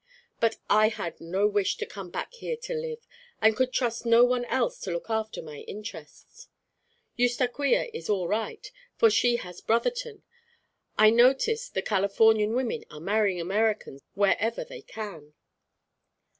But I had no wish to come back here to live, and could trust no one else to look after my interests. Eustaquia is all right, for she has Brotherton. I notice the Californian women are marrying Americans wherever they can."